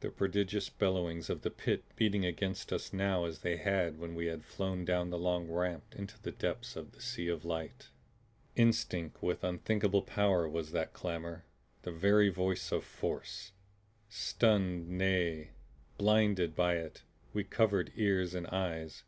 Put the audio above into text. The prodigious bellowings of the Pit beating against us now as they had when we had flown down the long ramp into the depths of the Sea of Light. Instinct with unthinkable power was that clamor; the very voice of Force. Stunned, nay BLINDED, by it, we covered ears and eyes.